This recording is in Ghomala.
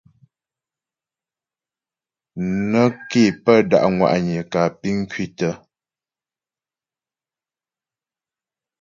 Nə́ ké pə́ da' ŋwa'nyə kǎ piŋ kwǐtə.